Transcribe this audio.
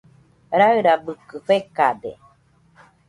Rairabɨkɨ fekade.